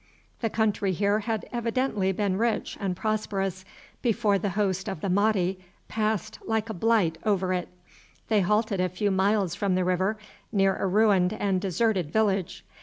The country here had evidently been rich and prosperous before the host of the Mahdi passed like a blight over it. They halted a few miles from the river, near a ruined and deserted village.